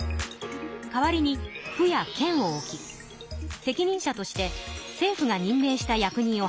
代わりに府や県を置き責任者として政府が任命した役人をはけんしました。